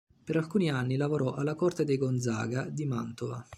Per alcuni anni lavorò alla corte dei Gonzaga di Mantova.